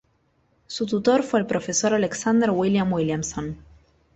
Su tutor fue el Profesor Alexander William Williamson.